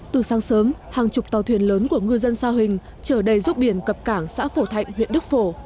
từ sáng sớm hàng chục tàu thuyền lớn của ngư dân sa huỳnh trở đầy ruốc biển cập cảng xã phổ thạnh huyện đức phổ